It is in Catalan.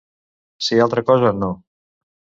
Si altra cosa no.